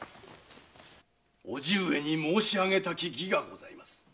伯父上に申し上げたき儀がございます。